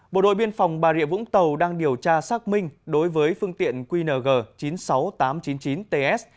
bộ đội biên phòng bà rịa vũng tàu đang điều tra xác minh đối với phương tiện qng chín mươi sáu nghìn tám trăm chín mươi chín ts